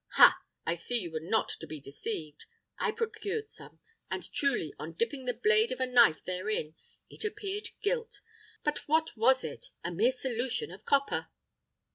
Ha! I see you were not to be deceived. I procured some, and truly, on dipping the blade of a knife therein, it appeared gilt. But what was it? A mere solution of copper."